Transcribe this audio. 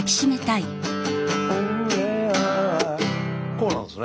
こうなんですね。